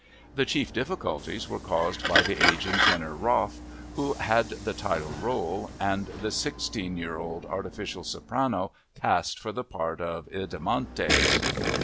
The chief difficulties were caused by the aging tenor, Raaff, who had the title role, and the sixteen year old artificial soprano cast for the part of Idamantes.